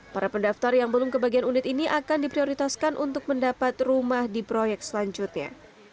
para pendaftar yang belum kebagian unit ini akan diprioritaskan untuk mendapat rumah di proyek selanjutnya